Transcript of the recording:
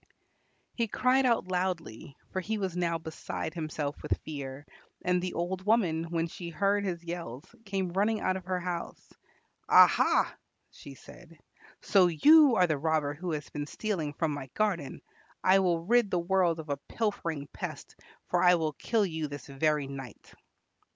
He cried out loudly, for he was now beside himself with fear, and the old woman, when she heard his yells, came running out of her house. "Aha!" she said, "so you are the robber who has been stealing from my garden. I will rid the world of a pilfering pest, for I will kill you this very night."